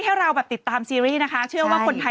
สามารถติดตามเวลากัน